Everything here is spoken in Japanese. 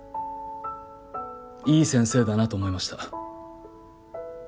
いい先生だなと思いました。